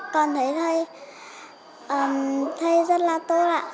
con thấy thầy rất là tốt ạ